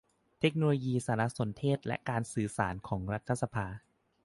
เทคโนโลยีสารสนเทศและการสื่อสารของรัฐสภา